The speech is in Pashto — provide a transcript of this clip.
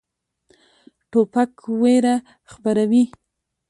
توپک ویره خپروي.